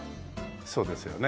そうですよね。